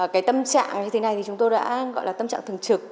cái tâm trạng như thế này thì chúng tôi đã gọi là tâm trạng thường trực